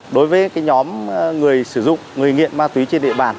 đối với nhóm người sử dụng người nghiện ma túy trên địa bàn